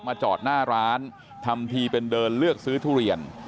จอดหน้าร้านทำทีเป็นเดินเลือกซื้อทุเรียน